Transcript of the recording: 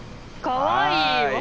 かわいい。